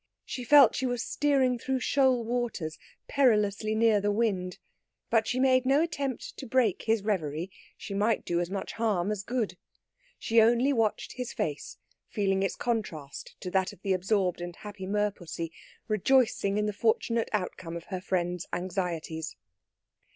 She felt she was steering through shoal waters perilously near the wind; but she made no attempt to break his reverie. She might do as much harm as good. She only watched his face, feeling its contrast to that of the absorbed and happy merpussy, rejoicing in the fortunate outcome of her friend's anxieties.